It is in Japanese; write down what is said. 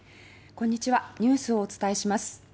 こんにちはニュースをお伝えします。